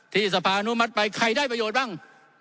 ที่สะพานุมัดไปใครได้ประโยชน์บ้าง